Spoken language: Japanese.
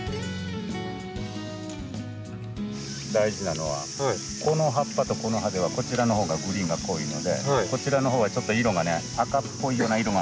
大事なのはこの葉っぱとこの葉ではこちらのほうがグリーンが濃いのでこちらのほうはちょっと色がね赤っぽいような色が含まれてますよね。